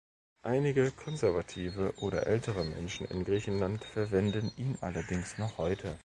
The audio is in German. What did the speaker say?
Einige konservative oder ältere Menschen in Griechenland verwenden ihn allerdings noch heute.